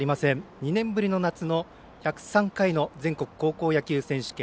２年ぶりの夏の１０３回の全国高校野球選手権。